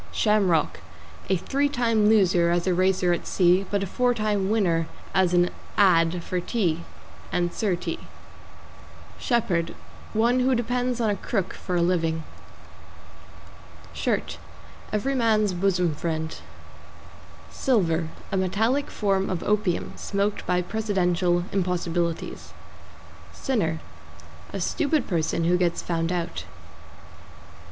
=SHAMROCK= A three time loser as a racer at sea, but a four time winner as an "ad." for tea and Sir T. =SHEPHERD= One who depends on a crook for a living. =SHIRT= Every man's bosom friend. =SILVER= A metallic form of opium, smoked by Presidential impossibilities. =SINNER= A stupid person who gets found out.